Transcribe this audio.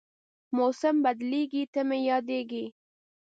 موسم بدلېږي، ته مې یادېږې